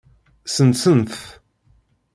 Ssensen-t.